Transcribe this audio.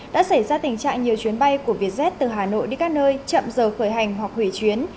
đã xảy ra tình trạng nhiều chuyến bay của vietjet từ hà nội đi các nơi chậm giờ khởi hành hoặc hủy chuyến